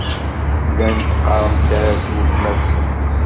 Llant ɣɣarent-as i weltma-tsent.